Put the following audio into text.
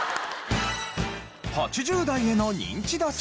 ８０代へのニンチド調査。